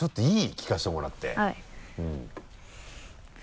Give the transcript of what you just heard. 聴かせてもらってはい。